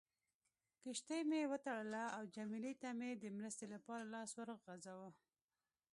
کښتۍ مې وتړله او جميله ته مې د مرستې لپاره لاس ور وغځاوه.